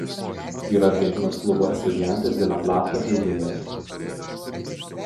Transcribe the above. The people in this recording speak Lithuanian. Yra Argentinos klubo Estudiantes de La Plata žaidėjas.